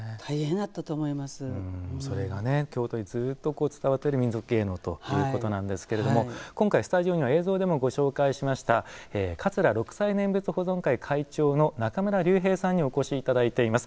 それが京都にずうっと伝わってる民族芸能ということなんですけれども今回スタジオには映像でもご紹介しました桂六斎念仏保存会会長の中村隆兵さんに起こしいただいています。